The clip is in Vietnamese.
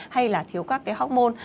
hay là thiếu các cái hormôn